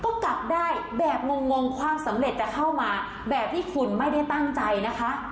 ก็กลับได้แบบงงความสำเร็จจะเข้ามาแบบที่คุณไม่ได้ตั้งใจนะคะ